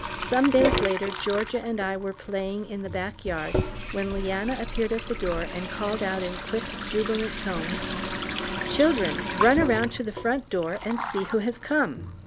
Some days later Georgia and I were playing in the back yard when Leanna appeared at the door and called out in quick, jubilant tones: "Children, run around to the front and see who has come!"